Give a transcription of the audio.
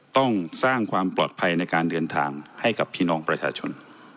ต้องสร้างความปลอดภัยในการเดินทางให้กับพี่น้องประชาชน